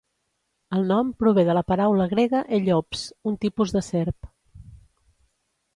El nom prové de la paraula grega ellops, un tipus de serp.